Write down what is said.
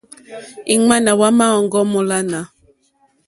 Ìŋwánà wà má òŋɡô múlánà.